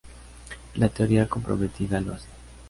La Teoría Comprometida lo hace.